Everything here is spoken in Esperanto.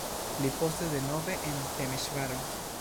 Pli poste denove en Temeŝvaro.